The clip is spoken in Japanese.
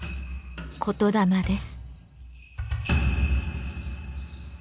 言霊です。